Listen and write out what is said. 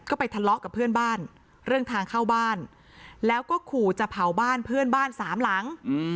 ก็ไปทะเลาะกับเพื่อนบ้านเรื่องทางเข้าบ้านแล้วก็ขู่จะเผาบ้านเพื่อนบ้านสามหลัง